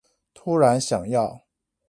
突然想要